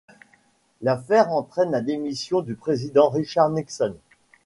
L'affaire entraîne la démission du président Richard Nixon.